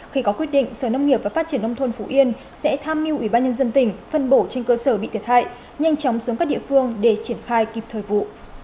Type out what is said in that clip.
khi có quyết định sở nông nghiệp và phát triển nông thôn phú yên sẽ tham mưu ủy ban nhân dân tỉnh phân bổ trên cơ sở bị thiệt hại nhanh chóng xuống các địa phương để triển khai kịp thời vụ